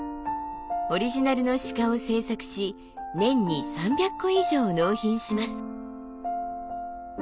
オリジナルの鹿を制作し年に３００個以上納品します。